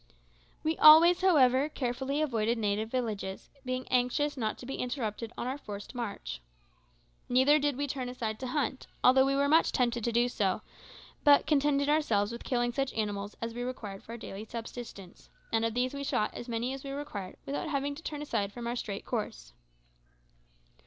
We always, however, carefully avoided native villages, being anxious not to be interrupted on our forced march. Neither did we turn aside to hunt, although we were much tempted so to do, but contented ourselves with killing such animals as we required for our daily subsistence; and of these we shot as many as we required without having to turn aside from our straight course.